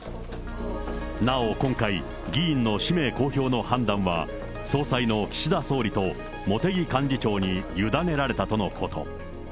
なお今回、議員の氏名公表の判断は、総裁の岸田総理と茂木幹事長に委ねられたとのこと。